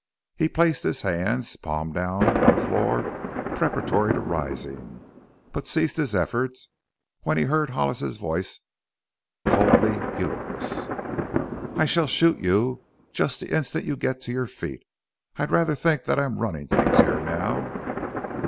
He placed his hands, palm down, on the floor, preparatory to rising, but ceased his efforts when he heard Hollis's voice, coldly humorous: "I shall shoot you just the instant you get to your feet. I rather think that I am running things here now."